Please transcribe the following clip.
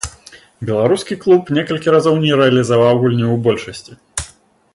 Беларускі клуб некалькі разоў не рэалізаваў гульню ў большасці.